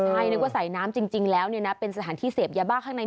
ใช่นึกว่าสายน้ำจริงแล้วเป็นสถานที่เสพยาบ้าข้างใน